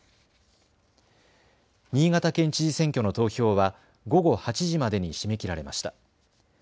新潟県知事選挙の投票は午後８時までに締め切られました。